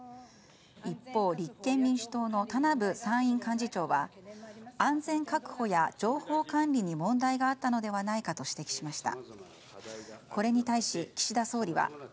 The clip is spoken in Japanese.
一方、立憲民主党の田名部参院幹事長は安全確保や情報管理に問題があったのではないかと指摘しました。